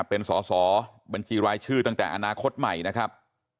เป็นสอสอบัญชีรายชื่อตั้งแต่อนาคตใหม่นะครับ